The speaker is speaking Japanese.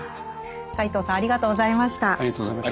斎藤さんありがとうございました。